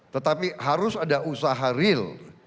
tetapi harus ada usaha real